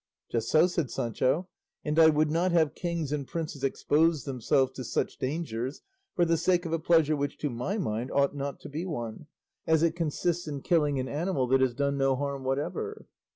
"Just so," said Sancho; "and I would not have kings and princes expose themselves to such dangers for the sake of a pleasure which, to my mind, ought not to be one, as it consists in killing an animal that has done no harm whatever."